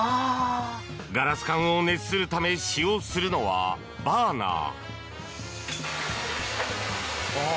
ガラス管を熱するため使用するのはバーナー。